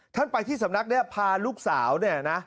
ไปที่สำนักเนี่ยพาลูกสาวเนี่ยนะ